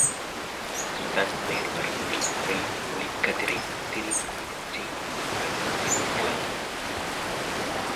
தன்மேற்பரப்பில் நுழையும் ஒளிக்கதிரைத் திரிபடையச் செய்யும் ஊடகத்தின் அளவு.